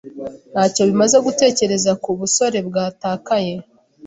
Ntacyo bimaze gutekereza ku busore bwatakaye.